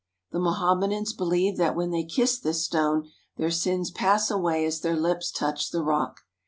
The Mohammedans believe that when they kiss this stone, their sins pass away as their lips touch the rock.